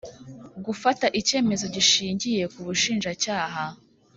Gufata icyemezo gishingiye ku Ubushinjacyaha